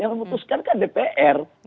kalau dimutuskan kan dpr